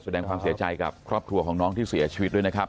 แสดงความเสียใจกับครอบครัวของน้องที่เสียชีวิตด้วยนะครับ